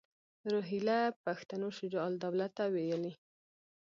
روهیله پښتنو شجاع الدوله ته ویلي.